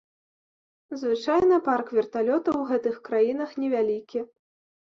Звычайна парк верталётаў у гэтых краінах невялікі.